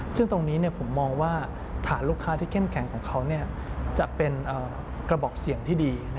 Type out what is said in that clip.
ซึ่งตรงนี้ผมมองว่าฐานลูกค้าที่เข้มแข็งของเขาจะเป็นกระบอกเสี่ยงที่ดี